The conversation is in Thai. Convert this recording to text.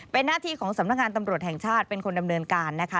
เป็นหน้าที่ของสำนักงานตำรวจแห่งชาติเป็นคนดำเนินการนะคะ